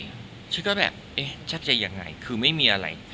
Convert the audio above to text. ดิฉันก็แบบชัดใจยังไงคือไม่มีอะไร